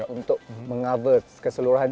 untuk mengangkat keseluruhan